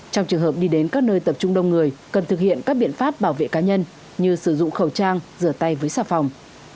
trong trường hợp đi đến các nơi tập trung đông người cần thực hiện các biện pháp bảo vệ cá nhân như sử dụng khẩu trang rửa tay với sạp phòng